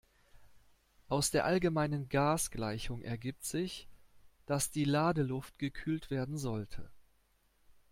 Aus der allgemeinen Gasgleichung ergibt sich, dass die Ladeluft gekühlt werden sollte.